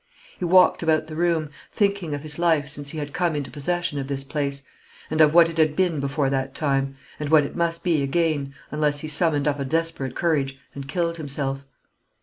He walked about the room, thinking of his life since he had come into possession of this place, and of what it had been before that time, and what it must be again, unless he summoned up a desperate courage and killed himself.